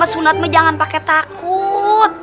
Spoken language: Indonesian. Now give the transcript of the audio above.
sunaatnya jangan pake takut